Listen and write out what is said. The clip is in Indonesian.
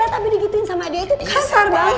tapi digituin sama dia itu kasar banget